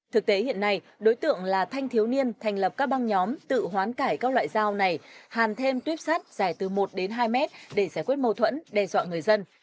thực tế hiện nay đối tượng là thanh thiếu niên thành lập các băng nhóm tự hoán cải các loại dao này hàn thêm tuyếp sắt dài từ một đến hai mét để giải quyết mâu thuẫn đe dọa người dân